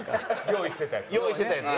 用意してたやつ。